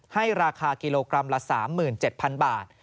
ให้ราคากิโลกรัมละ๓๗๐๐บาท